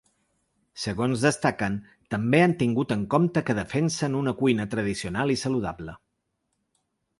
Segons destaquen, també han tingut en compte que defensen una cuina tradicional i saludable.